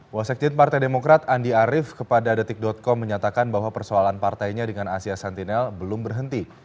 wasekjen partai demokrat andi arief kepada detik com menyatakan bahwa persoalan partainya dengan asia sentinel belum berhenti